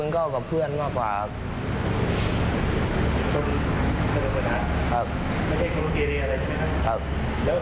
ชอบเล่นกับเพื่อนอะไรแบบนี้ครับ